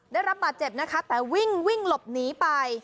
ได้รับบาดเจ็บนะคะแต่วิ่งวิ่งหลบหนีไป